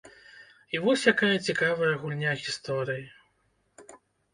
І вось якая цікавая гульня гісторыі.